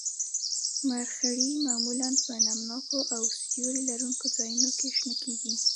مرخیړي معمولاً په نم ناکو او سیوري لرونکو ځایونو کې شنه کیږي